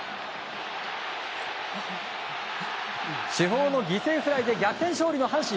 主砲の犠牲フライで逆転勝利の阪神。